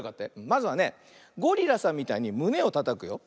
まずはねゴリラさんみたいにむねをたたくよ。